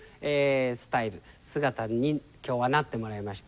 姿に今日はなってもらいました。